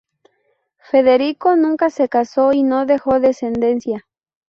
Federico nunca se casó y no dejó descendencia.